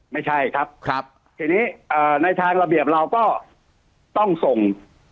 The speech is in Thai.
ไม่ใช่ครับทีนี้ในทางระเบียบเราก็ต้องส่ง